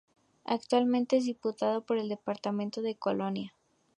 Actualmente es Diputado por el departamento de Colonia.